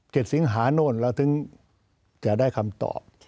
สิงหาโน่นเราถึงจะได้คำตอบ